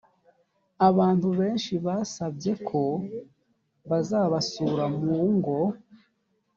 abantu benshi babasabye ko bazabasura mu ngo